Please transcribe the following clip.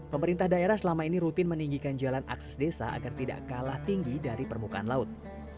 pemerintah daerah selama ini rutin meninggikan jalan akses desa agar tidak kalah tinggi dari permukaan laut